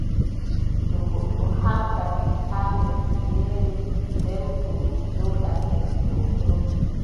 To goɗɗo haartake haa lesdi meere, nden buubi njooɗake dow ton,